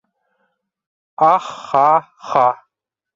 - Ах-ха-ха...